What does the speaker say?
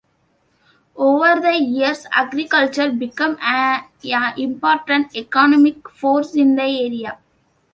Over the years, agriculture became an important economic force in the area.